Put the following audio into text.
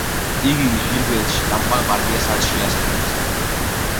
იგი „ჟიზელში“ წამყვან პარტიას შეარულებს.